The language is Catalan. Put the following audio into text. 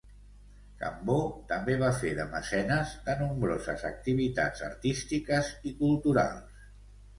Cambó també va fer de mecenes de nombroses activitats artístiques i culturals.